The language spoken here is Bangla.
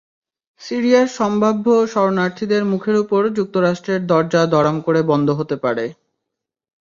সিরিয়ার সম্ভাব্য শরণার্থীদের মুখের ওপর যুক্তরাষ্ট্রের দরজা দড়াম করে বন্ধ হতে পারে।